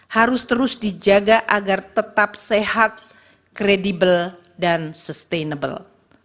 harus terus dijaga agar tetap sehat kredibel dan sustainable